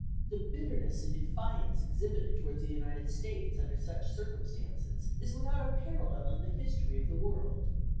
The bitterness and defiance exhibited towards the United States under such circumstances is without a parallel in the history of the world.